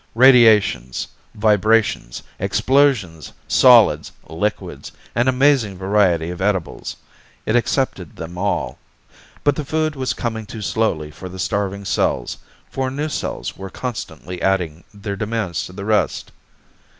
Radiations, vibrations, explosions, solids, liquids an amazing variety of edibles. It accepted them all. But the food was coming too slowly for the starving cells, for new cells were constantly adding their demands to the rest.